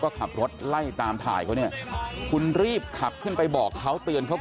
ของมันก็ร่วงมันก็หล่นลงมาจริงนั่นแหละ